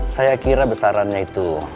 saya kira besarannya itu